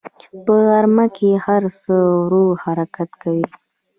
په غرمه کې هر څه ورو حرکت کوي